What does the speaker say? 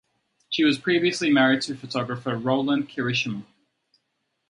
She was previously married to photographer Rowland Kirishima.